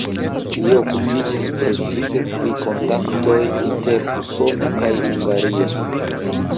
Li okupiĝis precipe pri kontaktoj inter Usono kaj Hungario.